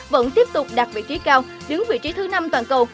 vẫn tiếp tục đạt vị trí cao đứng vị trí thứ năm toàn cầu